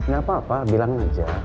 gak apa apa bilang aja